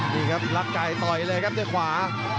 นี่ครับลักไก่ต่อยเลยครับด้วยขวา